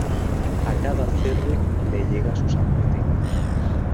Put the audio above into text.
A cada cerdo le llega su San Martín.